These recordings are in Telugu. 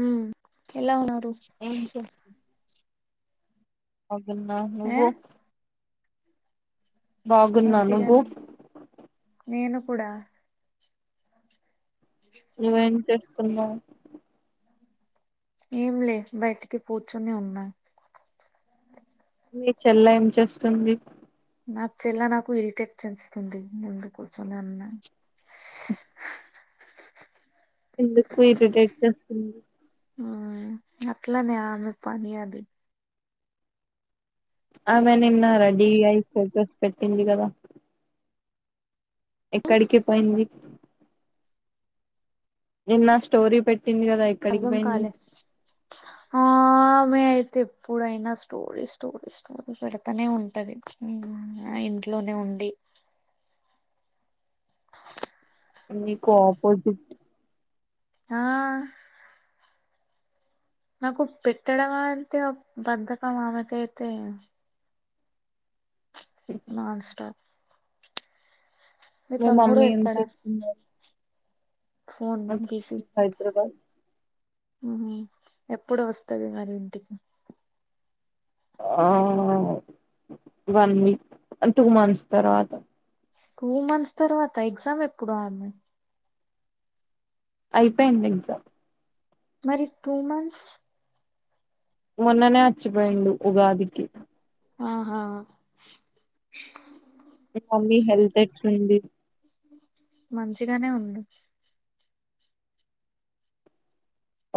ఉ ఎలా ఉన్నారు ఏం అనా ఆ నువ్వు బాగున్నా నువ్వు మంచిగానే నేను కూడా నువ్వేం చేస్తున్నావు ఏం లే బయటికి కూర్చుని ఉన్నాయి మీ చెల్ల ఏం చేస్తుంది నా చెల్లె నాకు ఇరిటేట్ చెస్తుంది ముందు కూర్చలే అన్నా ఎందుకు ఇరిటేట్ చేస్తుంది ఆ అట్లానే ఆమె పని అది ఆమె నిన్న రెడీ అఐ ఫోకస్ పెట్టింది కదా ఎక్కడికిే పోయింది ఇన్న స్టోరి పెట్టి అర్థం కాలే ఆమె అయితే ఎప్పుడైనా స్టోరీ స్టోరీ స్టోరీ పెడతానే ఉంటది ఇంట్లోనే ఉండి మీకు ఆపోజిట్ ఆ నాకు పెట్టడం అంటే బధకం ఆమెకైతే నన్ స్టాప్ మీ మే తమ్ముడు మమ్మీ ఏం ఎక్కడ చెప్తున్నారు ఫోన్ హైదరాబాద్. మీ ఎప్పుడు వస్తది మరి ఇంటికి. ఆహ్ వన్ వీక్ అంటే టూ మంత్స్ తర్వాత. టూ మంత్స్ తర్వాత ఎగ్జామ్ ఎప్పుడు ఆమే. అయిపోయింది ఎగ్జామ్. మరి టూ మంత్స్. మొన్ననే అచ్చిపోయిండు ఉగాదికి. ఆహా. మమ్మీ హెల్త్ ఎట్ల్ రండి. మంచిగానే ఉంది.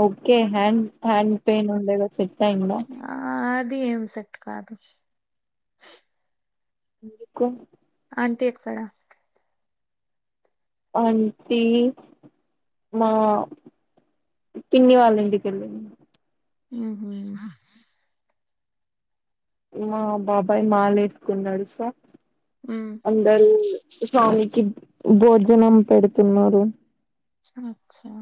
ఓకే హ్యాండ్ హ్యాండ్ పేయిన్ ఉందేదో చెక్. ఆహ్ ద్. ఏం సెట్ కాదు. ఇదికుమ్. అంటే ఎక్కడ. అంటే మా పిన్ని వాళ్ల ఇంటికి వెళ్లే ముందు. ఉమ్మ్. మా బాబాయ్ మాలేసుకున్నాడు ఉషా. ఉమ్ అందరు. స్వామికి భోజనం పెడుతున్నారు. అచ్చా.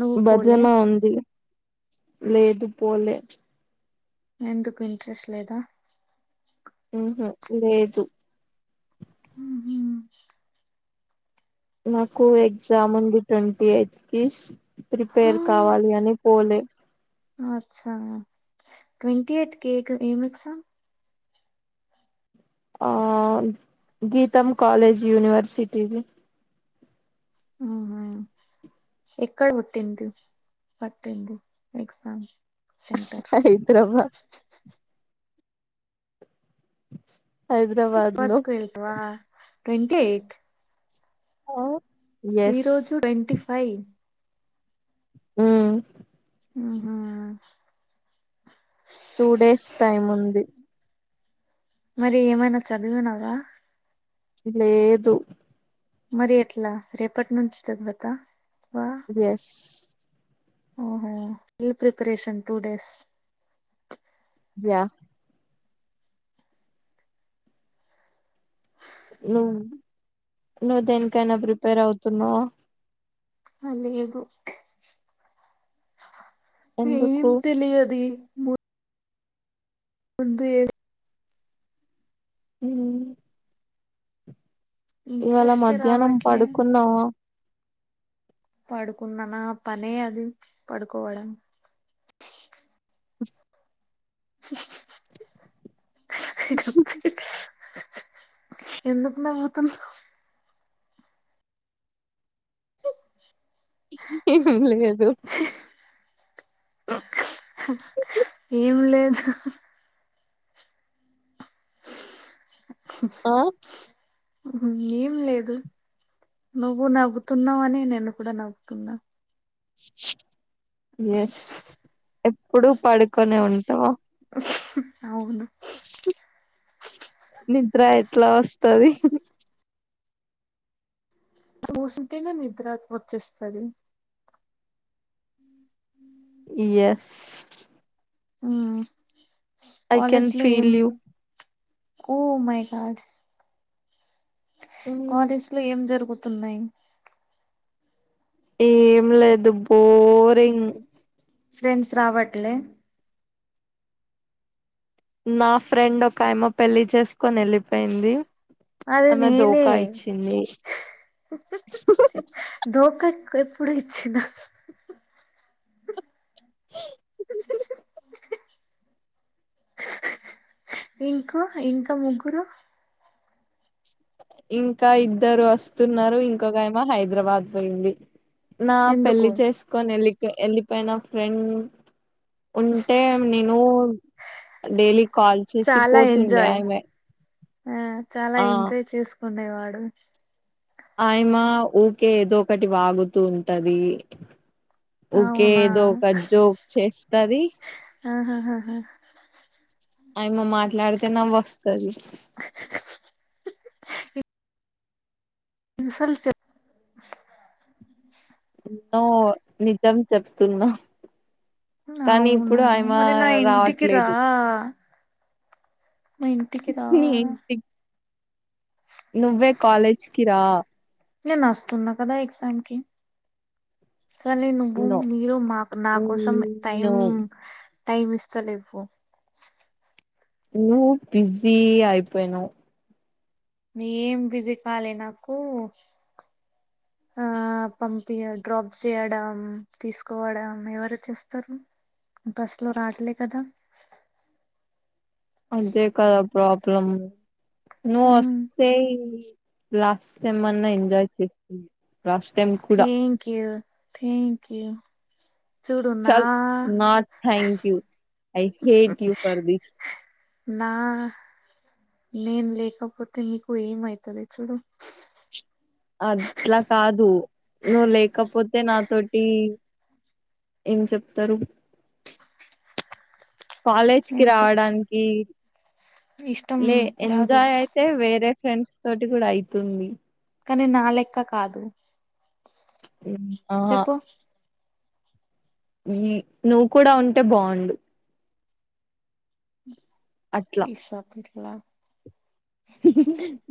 నువ్వు పోలే భజన ఉంది. లేదు పోలే. ఎందుకు ఇంట్రెస్ట్ లేదా. ఆహా లేదు. నువ్వేం. నాకు ఎగ్జామ్ ఉంది ట్వంటీ ఎయిత్ కి. ప్రిపేర్ కావాలి అని పోలే. అచ్చ ట్వంటీ ఎయిట్ కేక్ ఏం ఎగ్జామ్. ఆహ్ గీతమ్ కాలేజ్ యూనివర్సిటీది. ఆహ ఎక్కడ పుట్టింది పట్టింది ఎగ్జామ్. సెంటర్ ఇద్దరమా. హైదరాబాద్ లో. వత్కు వెళ్తవా ట్వంటీ ఎయిత్. ఆహ్ ఓ. ఈ రోజు ట్వీట్ ఫైవ్. ఉమ్మ్. అవునా. టూ డేస్ టైం ఉంది మరి ఏమైనా చదివినవా. లేదు. మరి ఎట్లా రేపటి నుంచి చదువద ఎస్ ఓహో ఫీ ప్రిపరేషన్ టూ డేస్ యా నువ్ నువ్వు దేనికైనా ప్రిపేర్ అవుతున్నావ అ లేేదు ఏ ఎందుకు తెలియాది ము ఉర్దూ ఏ ఉమ్ ఇవాళ ఇంట్రెస్ట్ మధ్యాహ్నం రావట్లే పడుకున్నావా పడుకున్నాన పనే అది పడుకోవడం చె ఎందుకు నవ్వుతున్నవ్వ్ ఏం లేదు ఏం లేదు ఆ ఏం లేదు నువ్వు నవ్వుతున్నావ అని నేన్ కూడా నవ్వుతున్నా ఎస్ ఎప్పుడు పడుకొనే ఉం ఏవో అవున నిద్ర ఎట్లా వస్తది కుసుంటేనే నిద్ర వచ్చేస్తుంది yes uh I can feel you oh my God college లో ఏం జరుగు తున్నాయి ఏం లేదు పోరింగ్ ఫ్రెండ్స్ రావట్లే నా ఫ్రెండ్ ఒక ఆయమ పెళ్లి చేసుకొని వెళ్ళిపోయింది అది ఆమె నేనే ధోకా ఇచ్చింది దోకా నాకు ఎప్పుడు ఇచ్చినా ఈ ఇంకో ఇంకా ముగ్గురు ఇంకా ఇద్దరు వస్తున్నారు ఇంకొక ఆమె హైదరాబాద్ పోయింది నా ఎందుకు పెళ్లి చేసుకొని ఎళ్ళి వెళ్ళిపోయిన ఫ్రెండ్ ఉంటే నేను డైలీ కాల్ చేసి చాలా పోతుండే ఎంజాయ్ ఆమె ఆ తండైవాడు ఆయమ ఊకే ఏదో ఒకటి వాగుతూ ఉంటది. ఒకకే అవునా ఏదో ఒక జోక్ చేస్తది. ఆహా హహ అయమ మాట్లాడితే నవ్ వస్తుది [unintelligible] ఇన్సల్ చె ఎన్నో నిజం చెప్తున్నా కానీ అవునా ఇప్పుడు ఆయమ మరి నా ఇంటికి రా రావట్లేదు మ ఇంటికిదా నీ ఇంటికి నువ్వే కాలేజికి రా న నస్తస్తుూన్నా కదా ఎగ్జామ్ కి కానీ నువ్వు నో మీరు మాకు నా కోసం టైం ను టైమ్ ఇస్తలే ఇవ ను బిజీ ఆయిపోయినవు ఏం బిజీ కాలి నాకు ఆ పంపి డ్రాప్ చేయడం తీసుకోవడం ఎవరు చేస్తారు బస్ లో రాటలే కదా. అదే కదా ప్రాబ్లం ఒకే లాస్ట్ టైమ్ మన్నా ఎంజాయ చేసి థ్యాంక్ యూ థ్యాంక్ యూ చూడు నా చల్ నోట్ thank you I hate you for this నా నేను లేకపోతే మీకు ఏమైతుంది చూడు. అట్లా కాదు నువ్వు లేకపోతే నాతోటి ఏం చెప్తారు కాలేజ్ కి ఏం చెప్ రావడానికి ఇష్టం లే రాదు ఎంజాయ్ అయితే వేరే ఫ్రెండ్స్ తోటి కూడా అయితుంది కానీ నా లెక్క కాదు ఆహా చెప్పు ఈ నువ్వు కూడా ఉంటే బాగుండు అట్లా పిసా ప ఇలా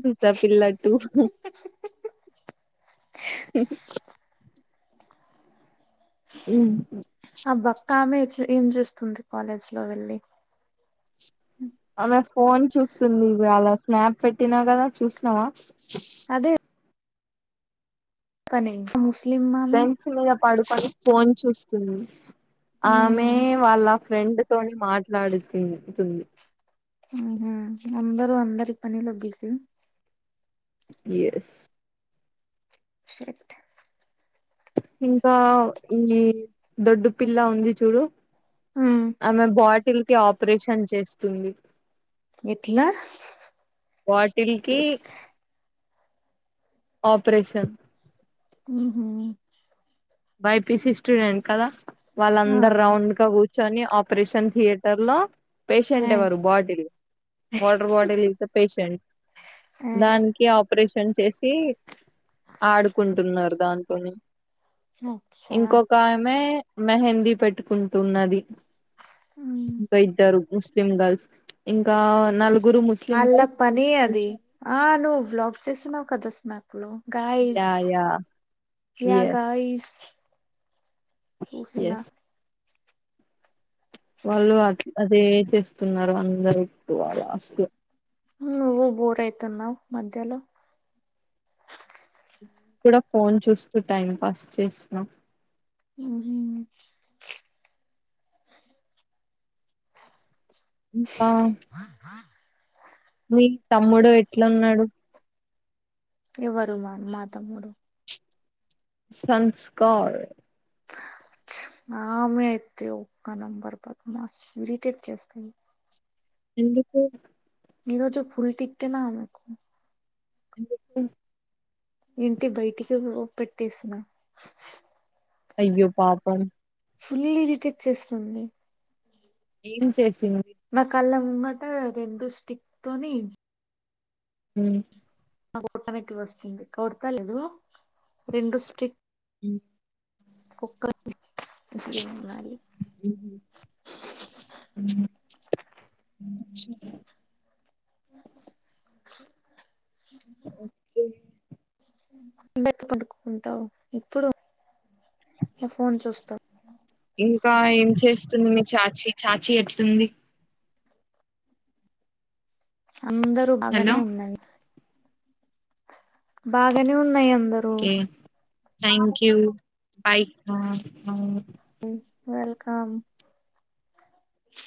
దూస పిల్లా టూ ఇ ఆ బక్క ఆమె ఏం చేస్తుంది కాలేజీ లో వెళ్ళి ఆమె ఫోన్ చూస్తుంది ఇవి అలా స్నాప్ పెట్టినా కదా చూసినవా అదే పనీ మూస్ స్లిమ్ ఆమె బెంచ్ మీద పడుకొని ఫోన్ చూస్తుంది. ఆమె మ్మ్. వాళ్ళ ఫ్రెండ్ తోని మాట్లాడుతుంది తుంది ఉహు అందరు అందరి పనిలో బిజి ఎస్ షట్ ఇంకా ఈ దొడ్డు పిల్లా ఉంది చూడు ఆమె బాట్ పిల్కి ఆపరేషన్ చేస్తుంది [inaudible] ఎట్లా బాటిల్ కి ఆప్రేషన్ ఉహు బై. పి. సి స్టూడెంట్ కదా? ఆ వాళ్ళందర్ రౌండ్ గ కూర్చ్ చని ఆపరేషన్ తీయేటర్లో ఆ పేషెంట్ ఎవరు bottle water bottle is the patient ఆ దానికి ఆప్ పరేషన్ చేసి ఆడుకుంటున్నారు దాని కొని అచ్చా ఇంకొక ఆమె మెహంది పెట్టుకుంటున్నది. మ్మ్. పెయింటర్ పూస్ సేమ్ గర్ల్స్ ఇంకా నల్ వాళ్ళ పని అది కదా స్మాప్ hello guys yeah yeah yeah yes guys పూసున్న ఎస్ వాళ్ళు అట్ అదే చేస్తున్నారు అందరు ఎప్పు లాస్ట్లో నువ్వు బోర్ ఐతున్నవ్ మధ్యలో కూడ ఫోన్ చూస్తూ టైం పాస్ చేస్తున్నవ్ [unintelligible] ఇంకా మి తమ్ముడు ఎట్లున్నాడు ఎవరు మా తమ్ముడు సంస్కార్ ఆమె ఐతే ఒక్క నెంబర్ బద్మశ్ ఇరిటేట్ చేస్తుంది ఎందుకూ ఈ రోజ ఫుల్ టిక్కన ఆమెకు ఎందుకూ ఇంటి బైటికి లొ పెట్టేసిన అయ్యో పాపం ఫుల్లీ డిటెక్ చేస్తుంది ఏం చెస్ నకల్లం ముగట రెండు స్టిక్ తోని ఉమ్ నా కూటమికి వస్తుంది కొడత లేదు రెండు స్ట్రిక్ ఉమ్ ఒక్కని [unintelligible] ఓకే [unintelligible] పడుకుంటావు ఎప్పుడు ఫోన్ చూస్తావ్. ఇంకా ఏం చేస్తుంది చాచీ చాచీ ఎట్లుంది అందరూ బాగానే హలో ఉన్నాయి. బాగానే ఉన్నాయి అందరూ okay thank you bye welcome